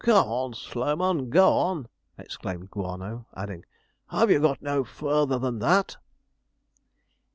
'Come, old Slowman, go on!' exclaimed Guano, adding, 'have you got no further than that?'